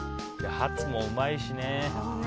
ハツもうまいしね。